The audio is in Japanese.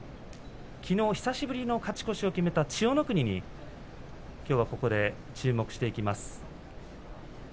きのう久しぶりに勝ち越しを決めた千代の国に注目していきます。